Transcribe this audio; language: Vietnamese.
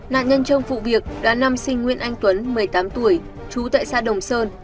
nạn nhân trong vụ việc đã năm sinh nguyên anh tuấn một mươi tám tuổi chú tại xã đồng sơn